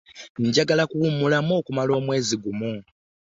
Njagala kuwumulamu okumala omwezi gumu.